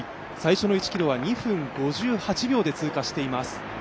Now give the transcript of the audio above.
最初の１ｋｍは２分５８秒で通過しています。